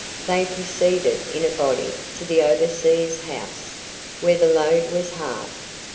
They proceeded in a body to the overseer's house, where the load was halved.